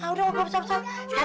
udah gak usah usah